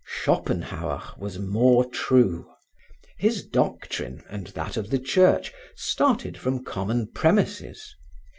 Schopenhauer was more true. His doctrine and that of the Church started from common premises.